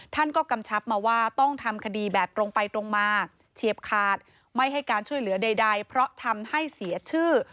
ท่านก็กำชับมาว่าต้องทำคดีแบบตรงไปตรงมาเฉียบขาดไม่ให้การช่วยเหลือใดเพราะทำให้เสียชื่อ